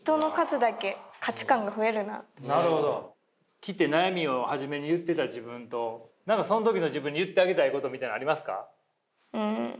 来て悩みを初めに言ってた自分とその時の自分に言ってあげたいことみたいなのありますか？